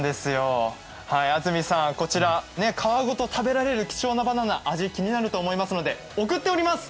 こちら、皮ごと食べられる貴重なバナナ、味、気になると思いますので送っております！